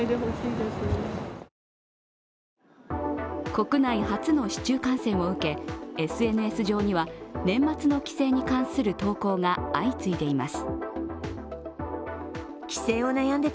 国内初の市中感染を受けＳＮＳ上には年末の帰省に関する投稿が相次いでいます。